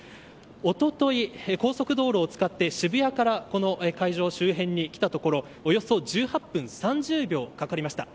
一昨日、高速道路を使って渋谷から会場周辺に来たところおよそ１８分３０秒かかりました。